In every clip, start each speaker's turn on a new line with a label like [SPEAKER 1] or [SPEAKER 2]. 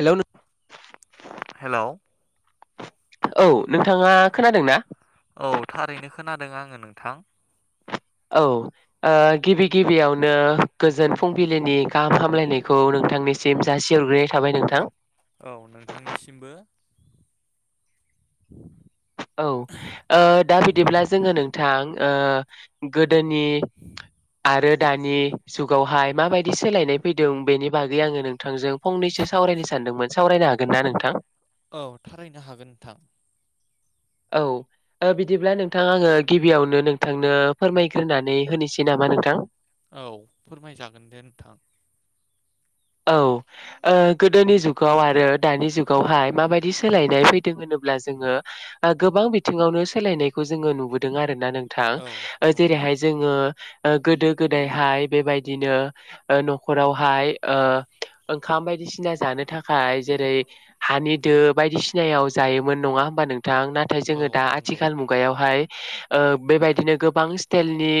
[SPEAKER 1] हेल'
[SPEAKER 2] hello
[SPEAKER 1] औ नोंथाङा खोनादों ना?
[SPEAKER 2] औ थारैनो खोनादों आङो नोंथां।
[SPEAKER 1] औ गिबि गिबियावनो गोजोन फुंबिलिनि गाहाम हामलायनायखौ नों थांनिसिम जासि हरग्रोनाय थाबाय नोंथां।
[SPEAKER 2] औ नोंथांनिसिमबो।
[SPEAKER 1] औ ओ दा बिदिब्ला जोङो नोंथां ओ गोदोनि आरो दानि जुगावहाय माबायदि सोलायनाय फैदों बेनि बागै आङो नोंथांजों फंनैसो सावरायनो सानो दोंमोन सावरायनो हागोन ना नोंथां?
[SPEAKER 2] औ थारायैनो हागोन नोंथां।
[SPEAKER 1] औ। ओ बिदिब्ला नोंथां आङो गिबियावनो नोंथांनो फोरमायग्रोनानै होनोसै नामा नोंथां?
[SPEAKER 2] औ फोरमायजागोन दे नोंथां‌
[SPEAKER 1] औ ओ गोदोनि जुगाव आरो दानि जुगावहाय माबायदि सोलायनाय फैदों होन जोङो गोबां बिथिङावनो सोलायनायखौ जोङो नुबोदों आरोना नों
[SPEAKER 2] औ
[SPEAKER 1] थां
[SPEAKER 2] नंगौ
[SPEAKER 1] जेरैहाय जोङो गोदो गोदायहाय बेबायदिनो न'खरावहाय ओ ओंखाम बायदिसिना जानो थाखाय जेरै हानि दो बायदिसिनायाव जायोमोन नङा होमबा नों थां? नाथाय
[SPEAKER 2] औ
[SPEAKER 1] जोङो दा
[SPEAKER 2] नंगौ
[SPEAKER 1] आथिखाल मुगायावहाय ओ बेबायदिनो गोबां स्टाइलनि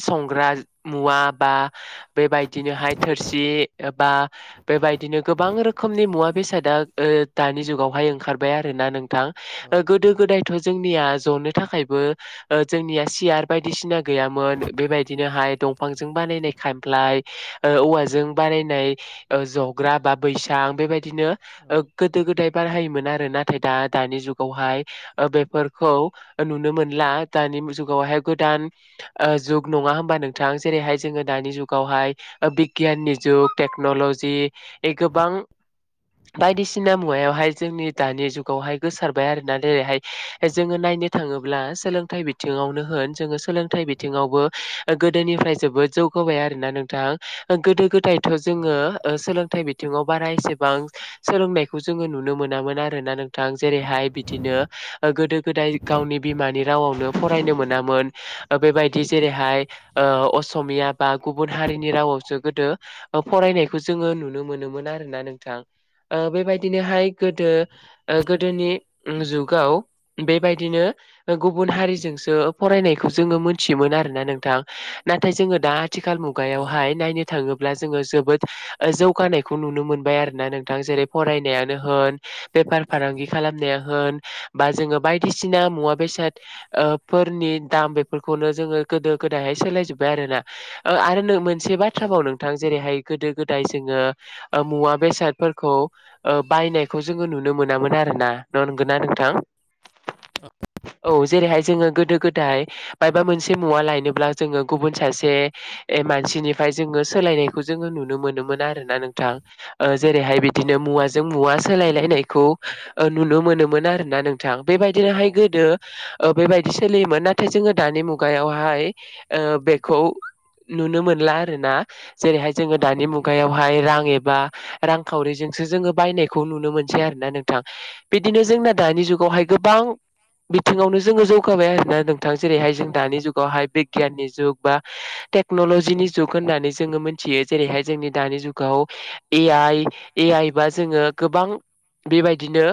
[SPEAKER 1] संग्रा मुवा बा बेबायदिनोहाय थोरसि बा बेबायदिनो गोबां रोखोमनि मुवा बेसादा दानि जुगावहाय ओंखारबाय आरो ना नों थां
[SPEAKER 2] औ
[SPEAKER 1] गोदो
[SPEAKER 2] नंगौ
[SPEAKER 1] गोदायथ' जोंनिया जनो थाखायबो जोंनिया सियार बायदिसिना गैयामोन बेबायदिनोहाय दंफांजों बानायनाय खामफ्लाय औवाजों बारायनाय जग्रा बा बैसां बेबायदिनो
[SPEAKER 2] औ
[SPEAKER 1] गोदो गोदाय बिदि बारहायोमोन आरो नाथाय दा दानि जुगावहाय बेफोरखौ नुनो मोनला दा बे जुगावहाय गोदान जुग नङा हबा नोंथां? जेरैहाय जोङो
[SPEAKER 2] औ
[SPEAKER 1] दानि जुगावहाय बिगियाननि जुग टेक्नलजि बे गोबां बायदिसिना मुवायावहाय जोंनि दानि जुगावहाय गोसारबाय आरो ना ओरैहाय जोंङो नाय नायनो थाङोब्ला सोलोंथाइ बिथिङावनो होन जोङो सोलोंथाइ बिथिङावबो गोदोनिफ्राय जोबोद जौगाबाय आरोना नोंथां गोदो गोदायथ'
[SPEAKER 2] औ
[SPEAKER 1] जोङो सोलोंथाइ बि बिथिङाव बारा एसेबां सोलोंनायखौ जोङो नुनो मोनामोन आरोना नोंथां जेरैहाय बिदिनो गोदो गोदाय गावनि बिमानि रावावनो फरायनो मोनामोन बेबायदि जेरैहाय ओ असमिया बा गुबुन हारिनि रावावसो गोदो फरायनायखौ जोङो नुनो मोनोमोन आरोना नोंथां। ओ बेबायदिनोहाय गोदो गोदोनि जुगाव बेबायदिनो गुबुन हारिजोंसो फरायनायखौ जोङो मोनथियोमोन आरोना नोंथां नाथाय जोङो दा आथिखाल मुगायावहाय नायनो थाङोब ब्ला जोङो जोबोद जौगानायखौ नुनो मोनबाय आरो ना नोंथां जेरै फरायनायानो होन, बेफार फालांगि
[SPEAKER 2] नंगौ
[SPEAKER 1] खालामनाया होन, बा जोङो बायदिसिना मुवा बेसाद फोरनि दाम बेफोरखौनो जोङो गोदो गोदायहाय सोलायजोबबाय आरो ना। आरो मोनसे
[SPEAKER 2] औ नंगौ।
[SPEAKER 1] बाथ्रााव नों थां जेरैहाय गोदो गोदाय जोङो मुवा बेसादफोरखौ बायनायखौ जोङो नु नुनो मोनामोन आरो ना नंगौना नोंथां?
[SPEAKER 2] [unintelligible]
[SPEAKER 1] औ जेरैहाय
[SPEAKER 2] नंगौ
[SPEAKER 1] जोङो गोदो गोदाय बायबा मोनसे मुवा लायनोब्ला जोङो गुबुन सासे मानसिनिफ्राय जोङो सोलायनायखौ जोङो नुनो मोनोमोन आरो ना नोंथां जेरैहाय बिदिनो मुवाजों मुवा सोलायलायनायखौ नुनो मोनोमोन आरोना नोंथां बेबायदिनोहाय गोदो ओ बेबायदि सोलियोमोन नाथाय जोङो दानि मुगायावहाय ओ बेखौ नुनो मोनला आरो ना जेरैहाय जोङो
[SPEAKER 2] औ
[SPEAKER 1] दानि मुगायावहाय रां एबा रांखावरिजोंसो जोङो बायनायखौ नुनो मोनसै आरोना नोंथां। बिदिनो
[SPEAKER 2] नंगौ
[SPEAKER 1] जोंना दानि जुगावहाय गोबां बिथिङावनो जोङो जौगाबाय आरोना नोंथां। बे जेरैहाय जों दानि जुावहाय बिगियाननि जुग बा टेकनलजिनि जुग होननानै जो जोङो मोनथियो जेरैहाय जोंनि दानि जुगाव ए आइ ए आइ बा जोङो गोबां बेबायदिनो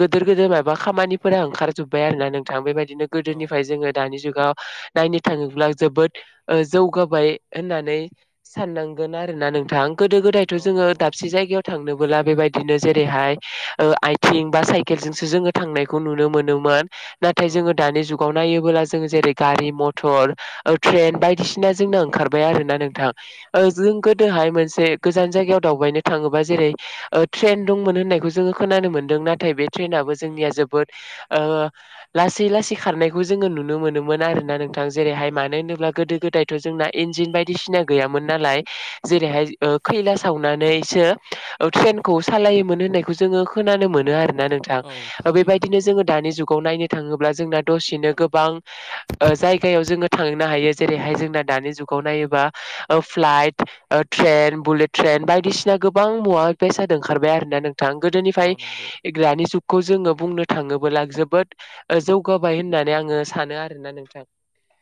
[SPEAKER 1] गिदोर गोदोर माबा खामानिफोरा ओंखार जोब्बाय आरो ना नोंथां बेबायदि बिदिनो
[SPEAKER 2] औ
[SPEAKER 1] गोदोनिफ्राय जोङो दानि जुगाव नायनो थाङोब्ला जोबोद जौगाबाय होननानै साननांगोन आरो ना नोंथां गोदो गोदायथ'
[SPEAKER 2] औ
[SPEAKER 1] जोङो
[SPEAKER 2] नंगौ
[SPEAKER 1] दाबसे जायगायाव थांनोबोला बेबायदिनो जेरैहाय ओ आइथिं बा साइकेलजोंसो जोङो थांनायखौ नुनो मोनोमोन। नाथाय
[SPEAKER 2] औ
[SPEAKER 1] जोङो दानि जुगाव नायोबोला जों जेरै गारि मथर ट्रेन बायदिसिना जोंनो ओंखारबाय आरो ना नोंथां। ओ
[SPEAKER 2] औ
[SPEAKER 1] जों
[SPEAKER 2] नंगौ
[SPEAKER 1] गोदोहाय मोनसे गोजान जायगायाव दावबायनो थाङोबा जेरै ट्रेन दंमोन होननायखौ जोङो खोनानो मोनदों नाथाय बे ट्रेनाबो
[SPEAKER 2] औ
[SPEAKER 1] जोंनिया जोबोद ओ लासै लासै खारनायखौ जोङो नुनो मोनोमोन आर ना नों
[SPEAKER 2] औ नंगौ औ
[SPEAKER 1] जेरैहाय मानो
[SPEAKER 2] नंगौ
[SPEAKER 1] होनोब्ला गोदो गोदायथ' जोंना इन्जिन बायदिसिना गैयामोन नालाय
[SPEAKER 2] औ
[SPEAKER 1] जेरैहाय ओ खैला सावनानैसो औ ट्रेनखौ सालायोमोन होननायखौ जोङो खोनानो मोनो आरो। ना नोंथां
[SPEAKER 2] औ थारैनो
[SPEAKER 1] बेबायदिनो
[SPEAKER 2] नंगौ
[SPEAKER 1] जोङो दानि जुगाव नायनो थाङोब्ला जोंना दसेनो गोबां जायगायाव जोङो थांनो हायो जेरैहाय जोंना दानि जुग खौ नायोबा फ्लाइट ट्रेन बुलेट ट्रेन बायदिसिना गोबां मुवा बेस जादों ओंखारबाय आरोना नों थां
[SPEAKER 2] औ
[SPEAKER 1] गोदोनिफ्राय
[SPEAKER 2] नंगौ
[SPEAKER 1] ग्रानि जुग खौ जोङो बुंनो थाङोबला जोबोद जौगाबाय होननानै आङो सानो आरोना नोंथां।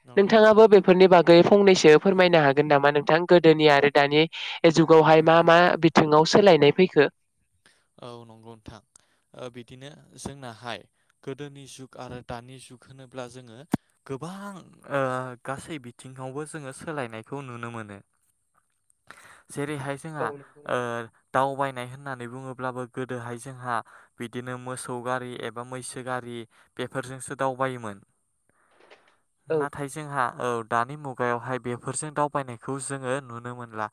[SPEAKER 2] नंगौ
[SPEAKER 1] नोंथाङाबो
[SPEAKER 2] नोंथां
[SPEAKER 1] बेफोरनि बागै फंनैसो फोरमायनो हाग नामा नोंथां? गोदोनि आरो दानि जुगावहाय मा मा बिथिङाव सोलायनाय फैखो?
[SPEAKER 2] औ नंगौ नथां। बिदिनो जोंनाहाय गोदोनि जुग आरो दानि जुग होनोब्ला जोङो गोबां गासै बिथिङावबो जोङो सोलायनायखौ नुनो मोनो।
[SPEAKER 1] [unintelligible]
[SPEAKER 2] जेरैहाय जोंहा
[SPEAKER 1] औ नंगौ
[SPEAKER 2] ओ
[SPEAKER 1] नोंथां
[SPEAKER 2] दावबायनाय होननानै बुङो अब्लाबो गोदोहाय जोंहा बिदिनो मोसौ गारि एबा मैसो गारि बेफोरजोंसो दाव बायोमोन नाथाय जोंहा औ दानि मुगायावहाय बेफोरजों दावबायनायखौ जोङो नुनो मोनला।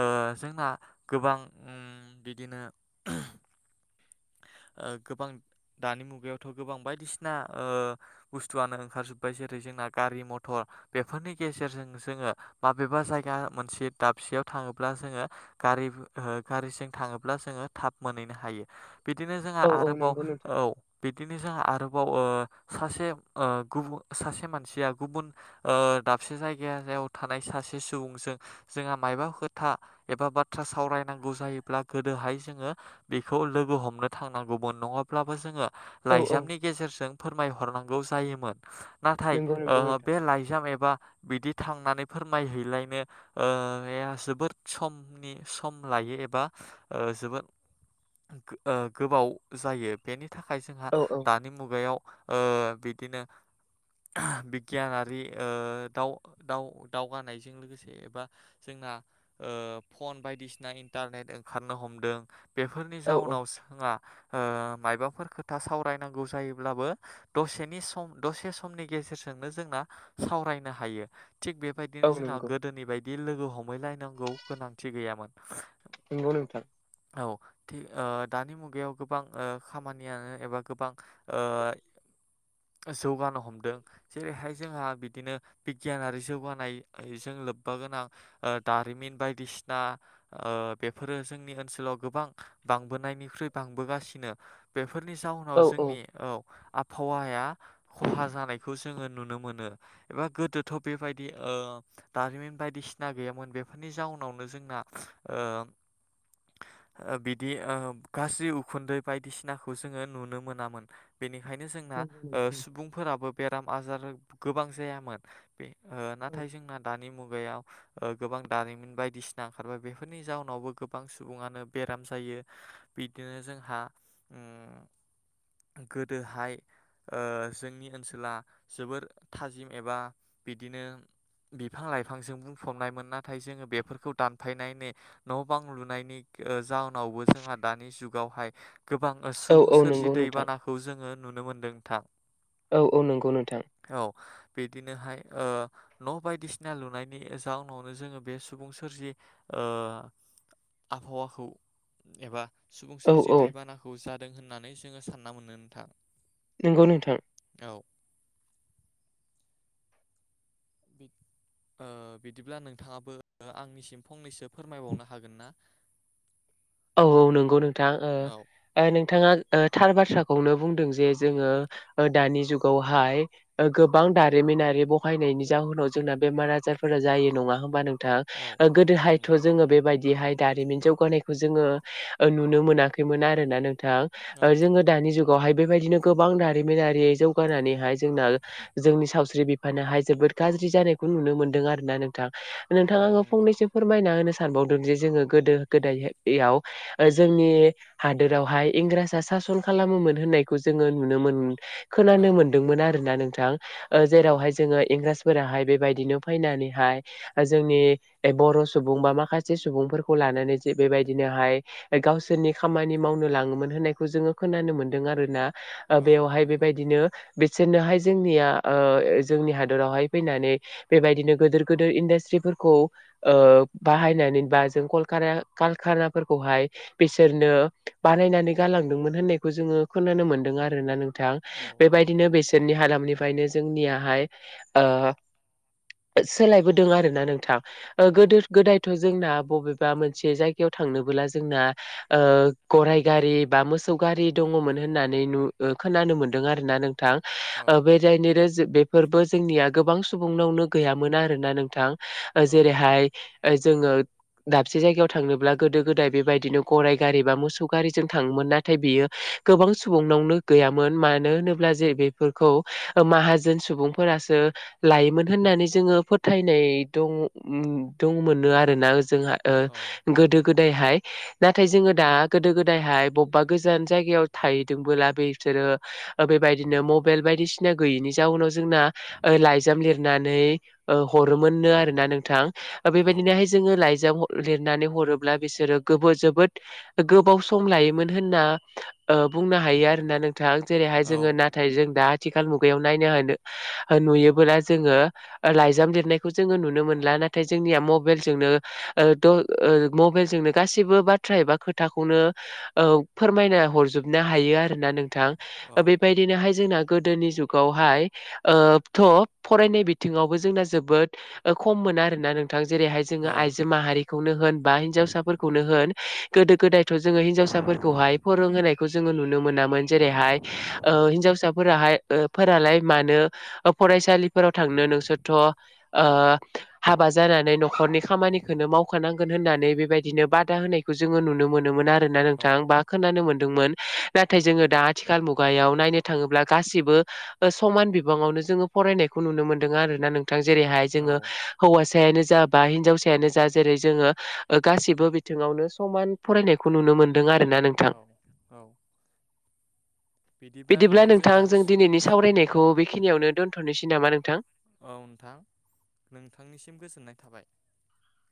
[SPEAKER 2] ओ जोंना गोबां ओ उ बिदिनो
[SPEAKER 1] [unintelligible]
[SPEAKER 2] ओ गोबां दानि मुगायावथ' गोबां ओ बायदिसिना बुस्थुआनो ओंखारजोब्बाय जेरै जों जोंना गारि मथर बेफोरनि गेजेरजों जोङो माबेबा जायगा मोनसे दाबसेयाव थाङो। अबला जोङो गारि ओ गारिजों थाङोब्ला जोङो थाब मोनहैनो हायो। बिदिनो जोंहा
[SPEAKER 1] औ औ
[SPEAKER 2] आरोबाव
[SPEAKER 1] नंगौ नोंथां
[SPEAKER 2] औ बिदिनो जोंहा आरो अबाव ओ सासे ओ गुबु मानसिया गुबुन दाबसे जायग ज याव थानाय सासे सुबुंजों जोंहा मायाबा खोथा एबा बाथ्रा सावरायनांगौ जायोब्ला गोदोहाय जोङो बेखौ लोगो हम हनो थांनांगौमोन नङाब्लाबो जोङो
[SPEAKER 1] औ औ
[SPEAKER 2] लाइजामनि गेजेरजों फोरमायहरनांगौ जायोमोन। नाथाय
[SPEAKER 1] नंगौ नंगौ नोंथां
[SPEAKER 2] बे लाइजाम एबा बिदि थांनानै फोरमायहैलायनो जोबोद समनि सम लायो एबा जबोन गोबाव जायो बेनि थाखाय जोंहा
[SPEAKER 1] औ औ
[SPEAKER 2] दानि मुगायाव बिदिनो बिगियानारि दावगानायजों लोगोसे एबा जों जों फन बायदिसिना इन्टारनेट ओंखारनो हमदों बेफोरनि
[SPEAKER 1] औ औ
[SPEAKER 2] जाउनावो मबाफोर खोथा सावरायनांगौ जायोब्लाबो दसेनि सम दसेनि ग गेजेरजोंनो जोंना सावरायनो हायो। थिग
[SPEAKER 1] औ
[SPEAKER 2] बेबायदिनो जोंहा
[SPEAKER 1] नंगौ
[SPEAKER 2] गोदोनि बायदि लोगो हमहैलायनांगौ गोनांथि गैयामोन।
[SPEAKER 1] नंगौ नोंथां
[SPEAKER 2] औ थ। दानि मुगायाव गोबां खामानियानो एबा गोबां जौगानो हमदों जेरैहाय जोंहा बिदिनो बिगियानारि जौगानाय जों लोब्बा गोनां ओ दारिमिन बायदिसिना ओ बेफोरो जोंनि ओनसोलाव गोबां बां बोनायनिख्रुइ बांबोगासिनो बेफोरनि जाहोनाव जोंनि औ आबहावाया खहा जानायखौ जोङो नुनो मोनो एबा गोदोथ' बेबायदि ओ दारिमिन बायदिसिना गैयामोन बेफोरनि नि जाउनावनो जोंना ओ बिदि ओ गाज्रि उखुन्दै बायदिसिनाखौ जोङो नुनो मोनामोन बेनिख ओंखायनो जोंना सुबुंफोराबो बेराम आजार गोबां जायामोन। बे नाथाय जोंना दानि मुग मुगायाव गोबां दारिमिन बायदिसिना ओंखारबाय बेफोरनि जाउनावबो गोबां सुबुङानो बेराम जायो। बिदिनो जोंहा ओं गोदोहाय जोंनि ओनसोला जोबोर थाजिम एबा बिदिनो बिफां लाइफांजों बुंफबनायमोन नाथाय जोङो बेफोरखौ दानफायनायनि न' बां लुनायनि ओ जाउनावबो जोंहा दानि जुगावहाय गोबां सुबुं सोरजि
[SPEAKER 1] नंगौ नोंथां।
[SPEAKER 2] दैबानाखौ जोङो नुनो मोनदों थां
[SPEAKER 1] औ औ नंगौ नोंथां
[SPEAKER 2] औ बिदिनोहाय ओ न' बायदिसिना लुनायनि जाउनावनो जोङो बे सुबुं सोरजि ओ आबहावाखौ एबा सुबुं
[SPEAKER 1] औ नंगौ नोंथां औ
[SPEAKER 2] सोरजि
[SPEAKER 1] औ
[SPEAKER 2] दैबानाखौ जादों होननानै जोङो सानना मोननो नोंथां।
[SPEAKER 1] नंगौ नोंथां।
[SPEAKER 2] [unintelligible] बिद बिदिब्ला नोंथाङाबो आंनिसिम फंनैसो फोरमायबावनो हागोन ना?
[SPEAKER 1] औ औ नंगौ नोंथां
[SPEAKER 2] औ
[SPEAKER 1] नोंथाङा थार बाथ्राखौ खौनो बुंदों जे जोङो दानि जुगावहाय गोबां दारिमिनारि बहायनाय जनि जोनाव जोंना बेमार आजारफोरा जायो नङा होमबा नों
[SPEAKER 2] औ
[SPEAKER 1] गोदोहायथ'
[SPEAKER 2] नंगौ
[SPEAKER 1] जोङो बेबायदिहाय दारिमिन जौगानायखौ जोङो ओ नुनो मोनैमोन आरोना नोंथां
[SPEAKER 2] औ
[SPEAKER 1] ओ जोङो दानि जुग हाय बेबायदिनो गोबां दारिमिनारि जौगानानैहाय जोंना जोंनि सावस्रि बिफानहाय जोबोद खोरखाज्रि जानायखौ नुनो मोन्दों आरो ना नोंथां? नोंथां
[SPEAKER 2] औ
[SPEAKER 1] आङो
[SPEAKER 2] नंगौ
[SPEAKER 1] फंनैसो फोरमायना होनो सानबावदों जे जोङो गोदो गोदायहाय याव जोंनि हादोरावहाय इंराजा सासन खालामोमोन होननायखौ जोङो नुनो मोन खोनानो
[SPEAKER 2] औ
[SPEAKER 1] मोनदोंमोन आरोोना नोंथां
[SPEAKER 2] नंगौ
[SPEAKER 1] जेरावहाय जोङो इंराज फोराहाय बेबायदिनो फैनानैहाय जोंनि बर' सुबुं बा माखासे सुबुंफोरखौ ला लानानै जे बेबायदिनोहाय गावसोरनि खामानि मावनो लाङोमोन होननायखौ जोङो खोनानो मोनदों आरो ना ओ
[SPEAKER 2] औ
[SPEAKER 1] बेयावहाय
[SPEAKER 2] नंगौ
[SPEAKER 1] बेबायदिनो बि बिसोरनोहाय जोंनिया ओ- जोंनि हादरावहाय फैनानै बेबायदिनो गिदोर गदोर इडास्ट्रिफो खौ ओ बाहायनानै बा जों कलकारा कारखानाफोरखौहाय बिसोरनो बानायनानै गालांदोंमोन होननायखौ जोङो खोनानो मोन्दों। आरोना नोंथां
[SPEAKER 2] औ
[SPEAKER 1] बेबायदिनो
[SPEAKER 2] नंगौ
[SPEAKER 1] बिसोरनि हालामनिफ्राय फायनो जोंनियाहाय ओ सोलायबोदों आरोना नोंथां ओ- गोदो गोदायथ' जोंना बबेबा मोनसे मोनसे जायगायाव थांनोबोला जोंना ओ- गराय गारि बा मोसौ गारि दङमोन होननानै खोनानो मोनदों आरो ना नोंथां
[SPEAKER 2] औ
[SPEAKER 1] ओ बे जाय नो फोरबो जोंनिया गोबां सुबुंनावनो गैयामोन आरोना नोंथां?
[SPEAKER 2] औ नंगौ
[SPEAKER 1] जेरैहाय जोङो दाबसे जायगायाव थांनो गोदो गोदाय बेबायदिनो गराइ गारि बा मोसौ गारिजों थाङोमोन नाथाय बियो गोबां सुबुं [unintelligible] गैयोन मानो होनोब्ला जे बेफोरखौ माहाजोन सुबुंफोरासो लायो। मोन होननानै जोङो फोथायनाय दं दंमोनो आरोना जोंहा
[SPEAKER 2] औ
[SPEAKER 1] ओ- गोदो गोदायहाय नाथाय जोङो दा गोदो गोदायहाय बबेबा गोजान जायगायाव थाहैदोंबोला बे ज- बेबायदिनो मबाइल बायदिसिना गैयैनि जाउनाव जोंना लाइजाम लिरनानै ओ- हरोमोननो आरोना नोंथां
[SPEAKER 2] औ
[SPEAKER 1] बेबायदिनोहाय जोङो लाइजाम लिर नानै हरोब्ला बिसोरो जोबोद गोबाव सम लायोमोन होनना ओ- बुंनो ह हायो आरोना नोंथां जेरैहाय
[SPEAKER 2] औ
[SPEAKER 1] जोङो नाथाय जों दा आथिखाल मुगायाव नायनो हानो नुयोबोला जोङो लाइजाम लिरनायखौ जोङो नुनो मोनला नाथाय जोंनिया मबाइलजों ओ- द ओ- मबाइलजोंनो गासैबो बाथ्रा एबा खोथाखौनो फोरमायना हरजोबनो हायो आरो ना नोंथां
[SPEAKER 2] औ
[SPEAKER 1] बेबायदिनोहाय जोंना गोदोनि जुावहाय ओ- थ फरायनाय बिथिङावबो जोंना जोबोद खम मोन आरोन ना नोंथां जेरैहाय जोङो
[SPEAKER 2] औ
[SPEAKER 1] आइजो माहारिखौनो होन बा हिनजावसाफोरखौनो होन गोदो गोदायथ' जोङो हिनजावसाफोरखौहाय फोरोंहोनायखौ जोङो नु नुनो मोनामोन जेरैहाय ओ- हिनजावसाफोराहाय ओ- फोरालाय मानो फरायसालिफोराव थांनो नोंसोरथ' ओ- हाबा जानानै न'खरनि खामानिखौनो मावखानांगोन होननानै बेबायदिनो बादा होनायखौ जोङो नुनो मोनोमोन आरो होन
[SPEAKER 2] औ
[SPEAKER 1] नोंथां बा खोनानो
[SPEAKER 2] नंगौ
[SPEAKER 1] मोनदोंमोन नाथाय जोङो दा आथिखाल मुगायाव नायनो थाङोब्ला गासिबो समान बिबाङावनो जोङो फरायनायखौ नुनो मोनदों आरोना नों थां जेरैहाय
[SPEAKER 2] औ
[SPEAKER 1] जोङो हौवासायानो जााबा हिनजावसायानो जा जेरै जोङो गासिबो बिथिङावनो समान फरायनायखौ नुनो मोनदों आरो
[SPEAKER 2] औ औ
[SPEAKER 1] बिदिब्ला नोंथां जों दिनैनि सावरायनायखौ बेखिनियावनो दोनथ'नोसै नामा नोंथां
[SPEAKER 2] औ नोंथां नोंथांनिसिम गोजोननाय थाबाय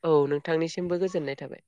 [SPEAKER 1] औ नोंथांनिसिमबो गोजोननाय थाबाय